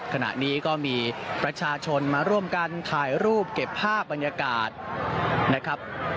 ขณะนี้ก็มีประชาชนมาร่วมกันถ่ายรูปเก็บภาพบรรยากาศนะครับ